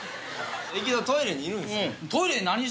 トイレにいるんですよ。